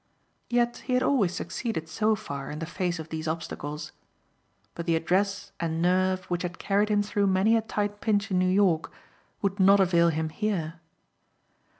Yet he had always succeeded so far in the face of these obstacles. But the address and nerve which had carried him through many a tight pinch in New York would not avail him here.